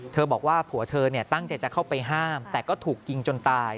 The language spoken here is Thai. บอกว่าผัวเธอตั้งใจจะเข้าไปห้ามแต่ก็ถูกยิงจนตาย